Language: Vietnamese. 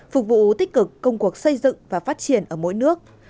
phục vụ tích cực công cuộc xây dựng và phát triển ở mỗi nước